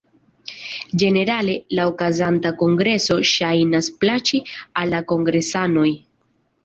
Ĝenerale la okazanta kongreso ŝajnas plaĉi al la kongresanoj.